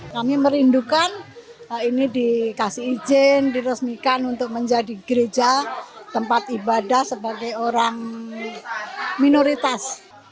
kami merindukan ini dikasih izin diresmikan untuk menjadi gereja tempat ibadah sebagai orang minoritas